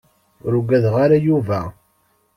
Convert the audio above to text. Ur uggadeɣ ara Yuba.